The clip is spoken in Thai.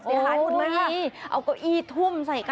โอ้โหดูสิ